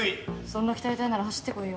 そんな鍛えたいなら走ってこいよ。